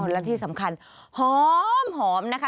และที่สำคัญหอมนะคะ